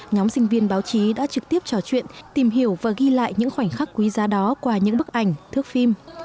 nhóm sinh viên báo chí đã trực tiếp trò chuyện tìm hiểu và ghi lại những khoảnh khắc quý giá đó qua những bức ảnh thước phim